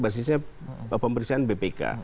basisnya pemberantasan bpk